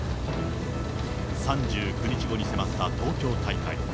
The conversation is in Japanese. ３９日後に迫った東京大会。